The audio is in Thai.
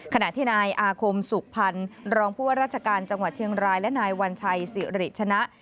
ขณะที่นายอาคมสุขพันธ์รองผู้ว่าราชการจังหวัดเชียงรายและนายวัญชัยสิริชนะ